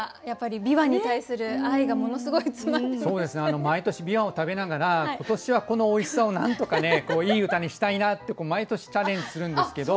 毎年びわを食べながら今年はこのおいしさをなんとかねいい歌にしたいなって毎年チャレンジするんですけど